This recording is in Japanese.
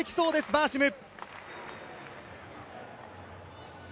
バーシム。